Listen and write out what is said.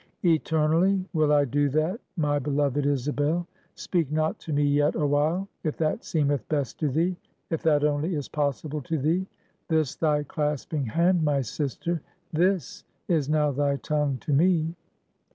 "Eternally will I do that, my beloved Isabel! Speak not to me yet awhile, if that seemeth best to thee, if that only is possible to thee. This thy clasping hand, my sister, this is now thy tongue to me."